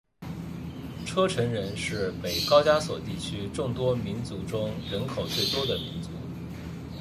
车臣人是北高加索地区众多民族中人口最多的民族。